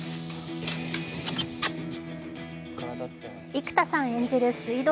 生田さん演じる水道